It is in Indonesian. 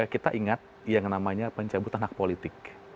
kita ingat yang namanya pencabutan hak politik